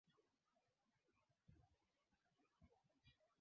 vyama ni kwa nini hakuna elimu ya uraia